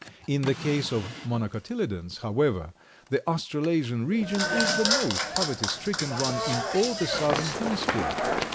In the case of the Monocotyledons, however, the Australasian region is the most poverty stricken one in all the southern hemisphere.